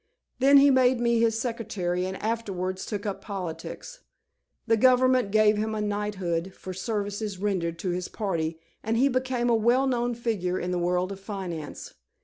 Then he made me his secretary and afterwards took up politics. The Government gave him a knighthood for services rendered to his party, and he became a well known figure in the world of finance.